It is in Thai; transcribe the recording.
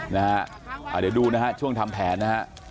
เดี๋ยวดูช่วงทำแผน